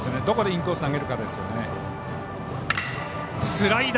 どこでインコースを投げるかですね。